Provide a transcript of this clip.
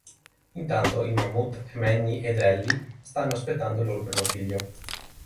Intanto, i mammut Manny ed Ellie stanno aspettando il loro primo figlio.